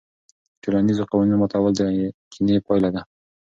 د ټولنیزو قوانینو ماتول د کینې پایله ده.